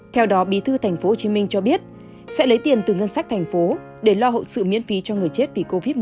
theo đó bí thư tp hcm cho biết sẽ lấy tiền từ ngân sách thành phố để lo hậu sự miễn phí cho người chết vì covid một mươi chín